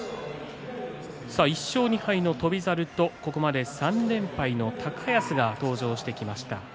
１勝２敗の翔猿と、ここまで３連敗の高安が登場してきました。